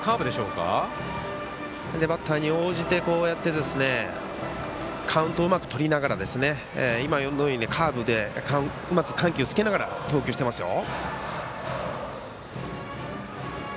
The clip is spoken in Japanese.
バッターに応じて、こうやってカウントをうまくとりながら今のようなカーブでうまく緩急をつけながら投球してますよ。